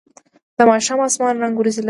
د ماښام اسمان رنګه ورېځې لرلې.